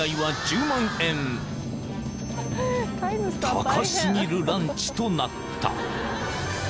［高過ぎるランチとなった］